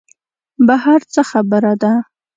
بهر څه خبره ده.